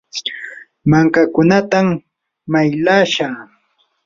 mankakunatam maylashaa.